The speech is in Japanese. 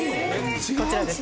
こちらです。